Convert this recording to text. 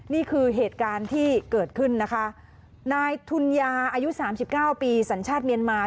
นี่คือเหตุการณ์ที่เกิดขึ้นนะคะนายทุนยาอายุสามสิบเก้าปีสัญชาติเมียนมา